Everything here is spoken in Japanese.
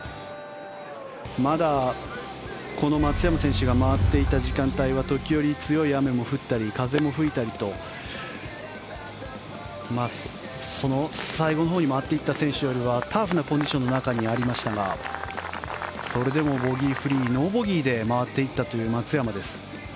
まだ、この松山選手が回っていた時間帯は時折強い雨も降ったり風も吹いたりと最後のほうに回っていった選手よりはタフなコンディションの中にありましたがそれでもボギーフリーノーボギーで回っていった松山です。